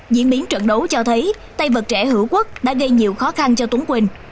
diễn biến trận đấu cho thấy tay vật trẻ hữu quốc đã gây nhiều khó khăn cho túng quỳnh